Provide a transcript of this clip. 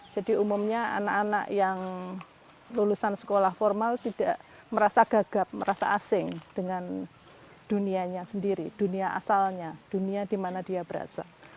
jadi umumnya anak anak yang lulusan sekolah formal tidak merasa gagap merasa asing dengan dunianya sendiri dunia asalnya dunia di mana dia berasal